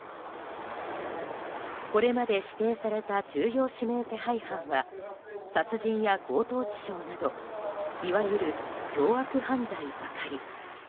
これまで指定された重要指名手配犯は殺人や強盗致傷などいわゆる凶悪犯罪ばかり。